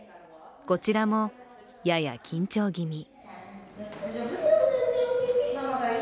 こちらも、やや緊張気味。